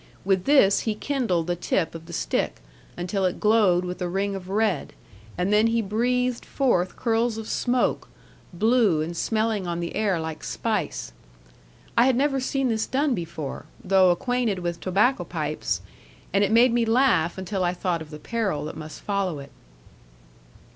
With this he kindled the tip of the stick, until it glowed with a ring of red, and then he breathed forth curls of smoke, blue and smelling on the air like spice. I had never seen this done before, though acquainted with tobacco pipes; and it made me laugh, until I thought of the peril that must follow it.